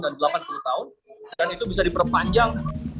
dan itu bisa diperpanjang